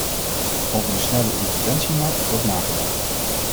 Over de snelle interventiemacht wordt nagedacht.